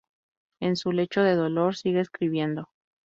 En su lecho de dolor sigue escribiendo.